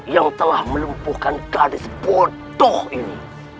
yang telah melumpuhkan gadis potoh ini